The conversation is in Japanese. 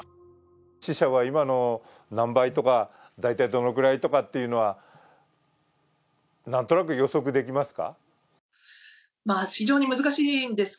死者は今の何倍とか大体どのくらいとかというのはなんとなく予測できますか？